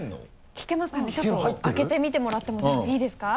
聴きますかちょっと開けてみてもらってもいいですか？